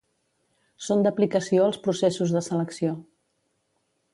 Són d'aplicació als processos de selecció.